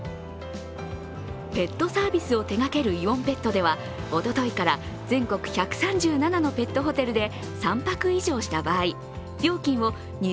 ペットサービスを手がけるイオンペットではおとといから全国１３７のペットホテルで３泊以上した場合、料金を２０％